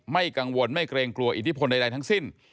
ไม่กังวลไม่เกรงกลัวอิทธิพลใดทั้งสิ้น